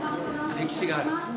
歴史がある。